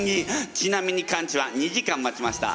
ちなみにカンチは２時間待ちました。